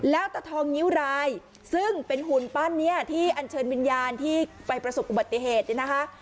แล้วตะทองนิ้วรายซึ่งเป็นหุ่นปั้นนี้ที่อันเชิญวิญญาณที่ไปประสบอุบัติเหตุเนี่ยนะคะ